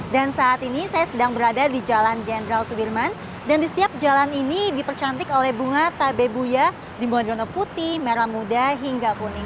dan saat ini saya sedang berada di jalan jendral sudirman dan di setiap jalan ini dipercantik oleh bunga tabe buya di modrono putih merah muda hingga kuning